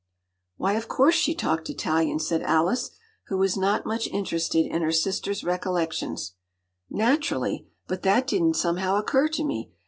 ” “Why, of course she talked Italian,” said Alice, who was not much interested in her sister’s recollections. “Naturally. But that didn’t somehow occur to me.